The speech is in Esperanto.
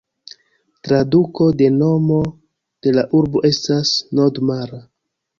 Traduko de nomo de la urbo estas "nord-mara".